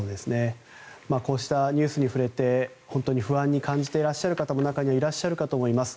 こうしたニュースに触れて本当に不安に感じていらっしゃる方も中にはいらっしゃるかと思います。